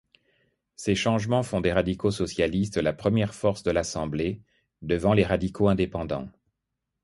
Ces changements font des radicaux-socialistes la première force de l'Assemblée, devant les radicaux indépendants.